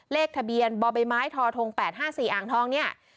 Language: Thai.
เลขทะเบียนบใบไม้ทท๘๕๔อ่างทองเนี่ย